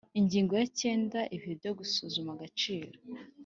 Ingingo ya cyenda Ibihe byo gusuzuma agaciro